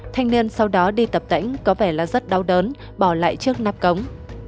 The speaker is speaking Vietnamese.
thanh niên sau đó đi tập tảnh có vẻ là rất đau đớn bỏ lại chiếc nắp cống